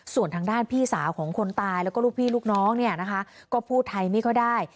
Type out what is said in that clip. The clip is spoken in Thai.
ส่วนทางด้านพี่สาวของคนตายแล้วก็ลูกพี่ลูกน้องเนี่ยนะคะก็พูดไทยไม่ค่อยได้